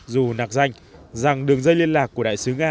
dù nạc danh rằng đường dây liên lạc của đại sứ nga